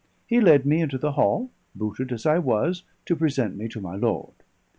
He led me into the hall, booted as I was, to present me to my lord.